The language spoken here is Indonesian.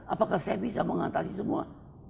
apakah saya bisa mengatasi semua